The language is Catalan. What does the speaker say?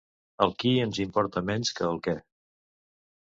El qui ens importa menys que el què